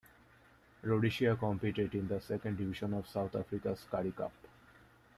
Rhodesia competed in the second division of South Africa's Currie Cup.